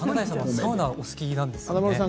サウナが大好きなんですよね。